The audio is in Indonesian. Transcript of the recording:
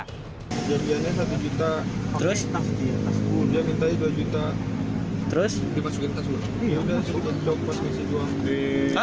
jadinya satu juta jadinya dua juta